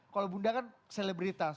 kalau bunda kan selebritas